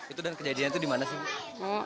itu dan kejadian itu di mana sih